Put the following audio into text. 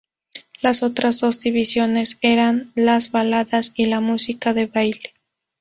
Las otras dos divisiones eran las baladas y la música de baile.